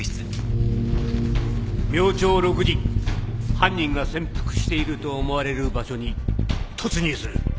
犯人が潜伏していると思われる場所に突入する。